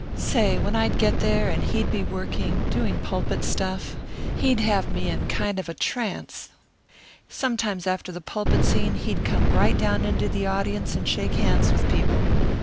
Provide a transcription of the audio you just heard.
Say, when I'd get there and he'd be working doing pulpit stuff he'd have me in kind of a trance. "Sometimes after the pulpit scene he'd come down right into the audience and shake hands with people.